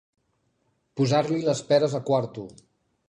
Posar-li les peres a quarto.